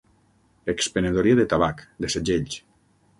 Expenedoria de tabac, de segells.